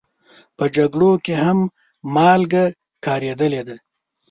په جګړو کې هم مالګه کارېدلې ده.